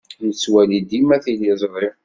Nettwali dima tiliẓṛi.